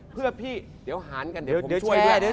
เพื่อพี่เดี๋ยวหารกันเดี๋ยวผมช่วยด้วยนะ